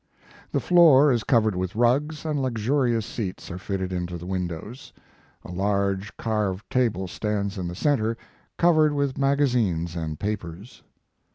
The floor is covered with rugs and luxurious seats are fitted into the windows; a large carved table stands in the center covered with magazines and papers.